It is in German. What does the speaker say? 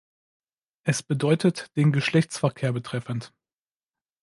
Es bedeutet «den Geschlechtsverkehr betreffend».